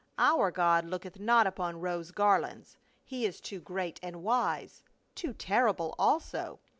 Our God looketh not upon rose gar lands. He is too great and wise — too terrible also.